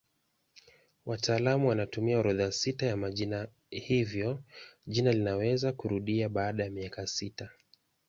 Wataalamu wanatumia orodha sita ya majina hivyo jina linaweza kurudia baada ya miaka sita.